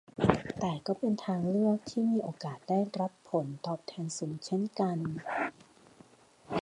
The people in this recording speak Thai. แต่ก็เป็นทางเลือกที่มีโอกาสได้รับผลตอบแทนสูงเช่นกัน